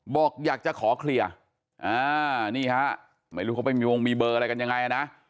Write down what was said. บอกอยากจะขอเคลียร์นี่ฮะไม่รู้เขาไปมีวงมีเบอร์อะไรกันยังไงนะ